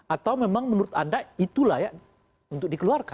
atau memang menurut anda itu layak untuk dikeluarkan